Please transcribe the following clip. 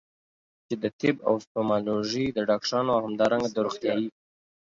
چې د طب او ستوماتولوژي د ډاکټرانو او همدارنګه د روغتيايي